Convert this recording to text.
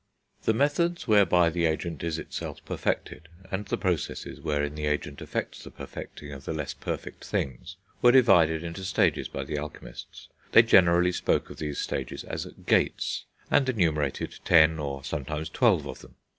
The methods whereby the agent is itself perfected, and the processes wherein the agent effects the perfecting of the less perfect things, were divided into stages by the alchemists. They generally spoke of these stages as Gates, and enumerated ten or sometimes twelve of them.